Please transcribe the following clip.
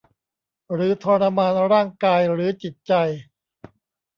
หรือทรมานร่างกายหรือจิตใจ